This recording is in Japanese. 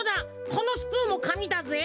このスプーンもかみだぜ。